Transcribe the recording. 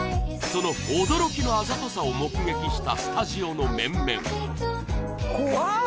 その驚きのあざとさを目撃したスタジオの面々は